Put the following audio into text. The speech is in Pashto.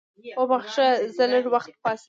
وبخښه زه لږ وخته پاڅېږم.